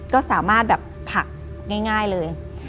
ก็สามารถแบบผักง่ายเลย